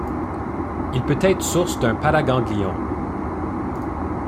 Il peut être source d'un paragangliome.